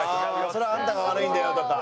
「それはあんたが悪いんだよ」とか。